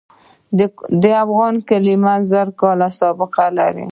د افغان کلمه زر کلنه سابقه لري.